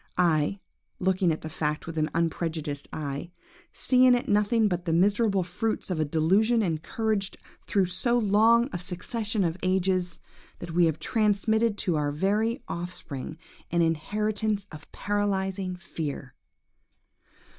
I, looking at the fact with an unprejudiced eye, see in it nothing but the miserable fruits of a delusion encouraged through so long a succession of ages, that we have transmitted to our very offspring an inheritance of paralysing fear!